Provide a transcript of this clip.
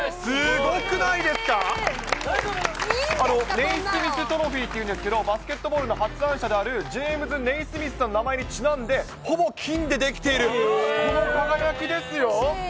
ネイスミス・トロフィーっていうんですけれども、バスケットボールの発案者であるジェームズ・ネイスミスさんの名前にちなんで、この輝きですよ。